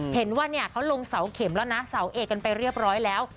เห็นว่าเนี่ยเขาลงเสาเข็มแล้วนะเสาเอกกันไปเรียบร้อยแล้ว